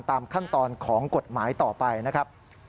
ตามขั้นตอนของกฎหมายต่อไปนะครับ